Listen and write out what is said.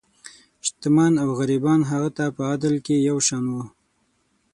شتمن او غریبان هغه ته په عدل کې یو شان وو.